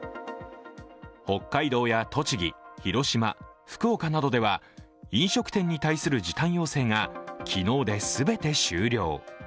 北海道や栃木、広島、福岡などでは飲食店に対する時短要請が昨日で全て終了。